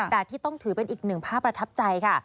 แต่ที่ต้องถือเป็นอีกหนึ่งภาพประทับใจค่ะ